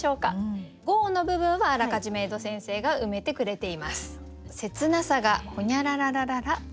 ５音の部分はあらかじめ江戸先生が埋めてくれています。